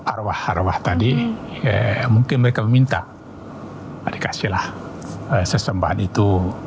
arwah arwah tadi mungkin mereka meminta dikasihlah sesembahan itu